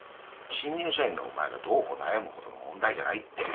新入社員のお前がどうこう悩むほどの問題じゃないって。